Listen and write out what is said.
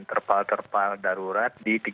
terpal terpal darurat di tiga puluh lima titik